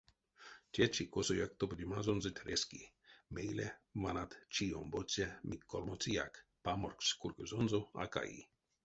Течи косояк топодемазонзо трески, мейле, ванат, чи-омбоце, мик колмоцеяк, паморькс кургозонзо а каи.